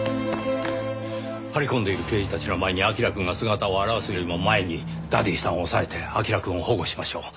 張り込んでいる刑事たちの前に彬くんが姿を現すよりも前にダディさんを押さえて彬くんを保護しましょう。